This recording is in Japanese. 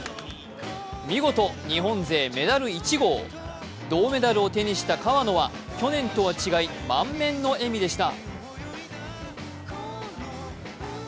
見事日本勢メダル１号、銅メダルを手にした川野は去年とは違い、満面の笑顔でした。